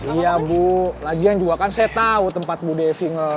iya bu lagian juga kan saya tahu tempat bu devi nge